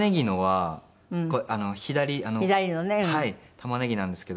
玉ねぎなんですけど。